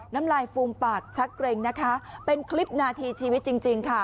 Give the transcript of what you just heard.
น้ำลายฟูมปากชักเกร็งนะคะเป็นคลิปนาทีชีวิตจริงจริงค่ะ